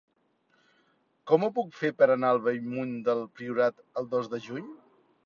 Com ho puc fer per anar a Bellmunt del Priorat el dos de juny?